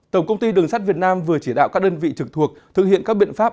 tổng công ty đường sắt việt nam vừa chỉ đạo các đơn vị trực thuộc thực hiện các biện pháp